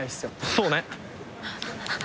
そうね。